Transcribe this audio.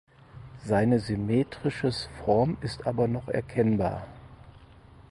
Seine symmetrisches Form ist aber noch erkennbar.